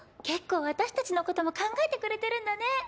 結構私たちのことも考えてくれてるんだね。